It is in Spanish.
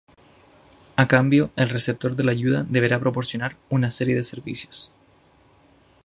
A cambio el receptor de la ayuda deberá proporcionar una serie de servicios.